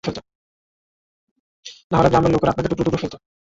নাহলে গ্রামের লোকেরা আপনাকে টুকরো টুকরো ফেলত।